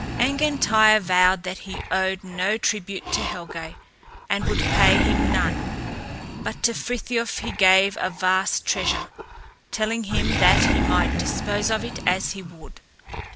Angantyr vowed that he owed no tribute to Helgé, and would pay him none, but to Frithiof he gave a vast treasure, telling him that he might dispose of it as he would.